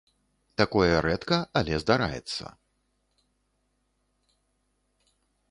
Такое рэдка, але здараецца.